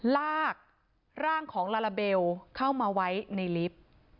ลากร่างของลาลาเบลเข้ามาไว้ในลิฟต์